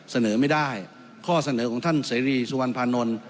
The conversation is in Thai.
เสนอไม่ได้ข้อเสนอของท่านเสรีสุวรรณภานนท์